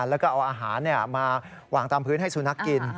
แล้วก็เอาอาหารมาวางตามพื้นให้สุนัขกิน